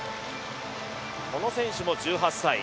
この選手も１８歳。